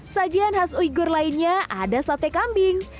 sajian khas uyghur lainnya ada sate kambing